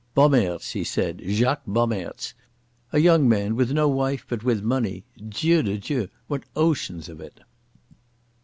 "Bommaerts," he said, "Jacques Bommaerts. A young man with no wife but with money—Dieu de Dieu, what oceans of it!"